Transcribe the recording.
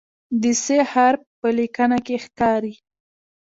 د "ث" حرف په لیکنه کې ښکاري.